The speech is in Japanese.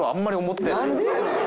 何でやねん。